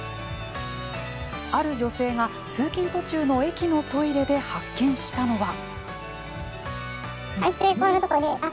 ある女性が通勤途中の駅のトイレで発見したのは。